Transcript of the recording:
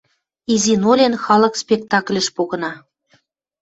Изин-олен халык спектакльыш погына.